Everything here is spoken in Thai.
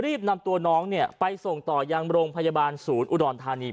รีบนำตัวน้องไปส่งต่อยังโรงพยาบาลศูนย์อุดรธานี